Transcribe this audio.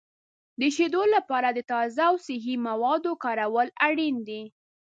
د شیدو لپاره د تازه او صحي موادو کارول اړین دي.